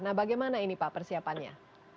nah bagaimana ini pak persiapannya